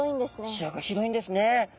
視野が広いんですね。